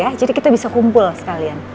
ya jadi kita bisa kumpul sekalian